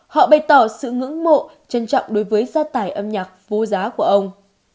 họ bày tỏ sự ngưỡng mộ trân trọng đối với gia tài âm nhạc vô giá của ông